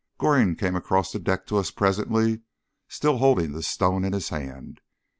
Goring came across the deck to us presently, still holding the stone in his hand.